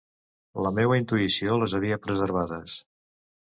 La meua intuïció les havia preservades.